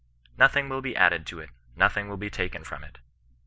Nothing will be added to it ; nothing will be taken from it.